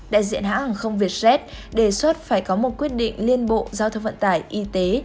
đại diện hãng không việt red đề xuất phải có một quyết định liên bộ giao thông vận tải y tế